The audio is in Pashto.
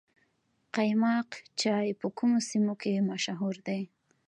قیماق چای په کومو سیمو کې مشهور دی؟